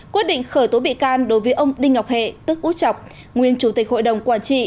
quyết định khởi tố bị can đối với ông đinh ngọc hệ tức út chọc nguyên chủ tịch hội đồng quản trị